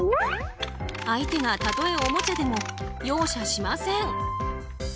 相手がたとえおもちゃでも容赦しません。